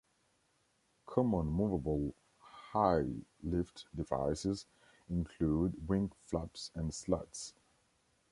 Common movable high-lift devices include wing flaps and slats.